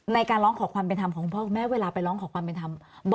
ในการร้องขอความเป็นธรรมของคุณพ่อคุณแม่เวลาไปร้องขอความเป็นธรรม